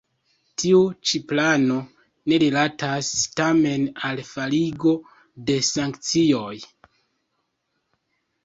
Tiu ĉi plano ne rilatas tamen al forigo de sankcioj.